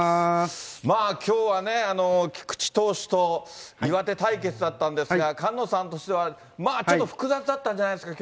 きょうはね、菊池投手と岩手対決だったんですが、菅野さんとしては、まあちょっと複雑だったんじゃないですか？